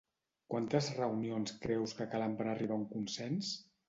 Quantes reunions creus que calen per arribar a un consens?